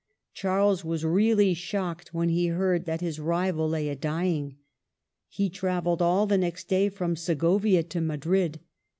Charles was really shocked when he heard that his rival lay a dying. He travelled all the next day from Segovia to Madrid.